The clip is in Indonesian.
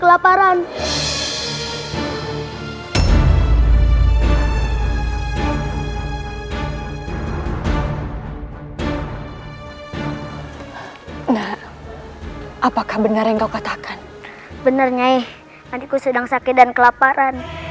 kelaparan nah apakah benar yang kau katakan bener nyai adikku sedang sakit dan kelaparan